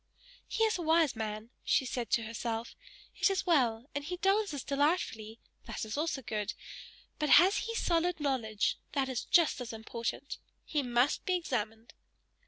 "He is a wise man," said she to herself "It is well; and he dances delightfully that is also good; but has he solid knowledge? That is just as important! He must be examined."